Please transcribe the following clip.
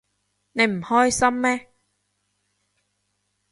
你唔開心咩？